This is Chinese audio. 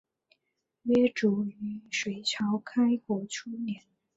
约卒于隋朝开国初年。